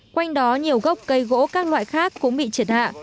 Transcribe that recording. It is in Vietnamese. quanh đó nhiều gốc cây gỗ các loại khác cũng bị triệt hạ